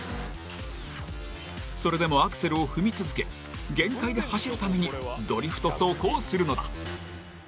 それでもアクセルを踏み続け限界で走るためにドリフト走行するのだ。